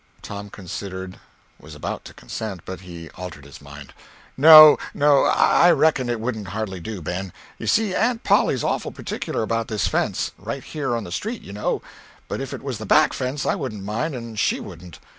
Tom considered, was about to consent; but he altered his mind: "No—no—I reckon it wouldn't hardly do, Ben. You see, Aunt Polly's awful particular about this fence—right here on the street, you know—but if it was the back fence I wouldn't mind and she wouldn't.